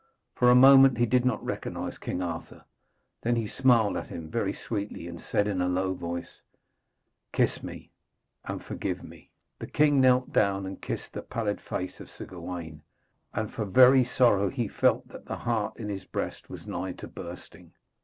For a moment he did not recognise King Arthur; then he smiled at him very sweetly and said in a low voice: 'Kiss me and forgive me!' The king knelt down and kissed the pallid face of Sir Gawaine, and for very sorrow he felt that the heart in his breast was nigh to bursting.